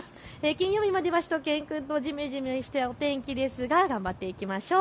金曜日まではしゅと犬くん、じめじめしたお天気ですが頑張っていきましょう。